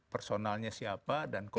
personalnya siapa dan kok